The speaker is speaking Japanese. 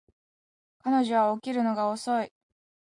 彼女は起きるのが遅い